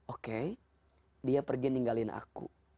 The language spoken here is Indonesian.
oke dia pergi ninggalin aku